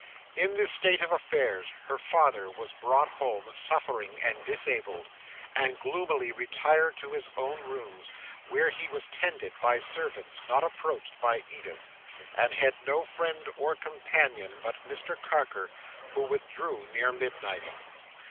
In this state of affairs her father was brought home, suffering and disabled; and gloomily retired to his own rooms, where he was tended by servants, not approached by Edith, and had no friend or companion but Mr Carker, who withdrew near midnight.